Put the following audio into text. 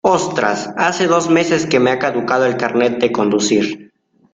Ostras, hace dos meses que me ha caducado el carnet de conducir.